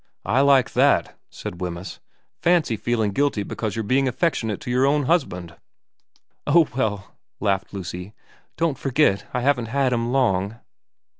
' I like that/ said Wemyss. ' Fancy feeling guilty because you're being affectionate to your own husband.' * Oh, well,' laughed Lucy, ' don't forget I haven't had him long.'